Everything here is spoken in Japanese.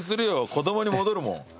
子供に戻るもん。